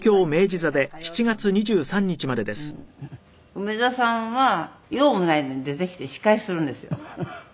梅沢さんは用もないのに出てきて司会するんですよ。